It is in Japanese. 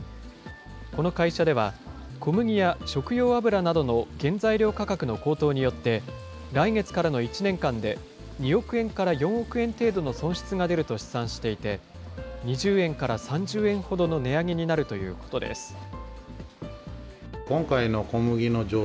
この会社では、小麦や食用油などの原材料価格の高騰によって、来月からの１年間で、２億円から４億円程度の損失が出ると試算していて、２０円から３０円ほどの値上げになるということです。